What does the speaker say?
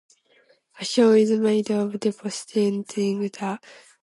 A show is made of depositing the pretended corpse in the grave.